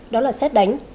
đó là xét đánh